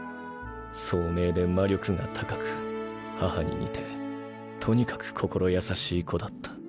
聡明で魔力が高く母に似てとにかく心優しい子だった。